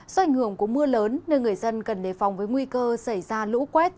do ảnh hưởng của mưa lớn nên người dân cần đề phòng với nguy cơ xảy ra lũ quét